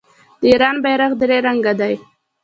د ایران بیرغ درې رنګه دی.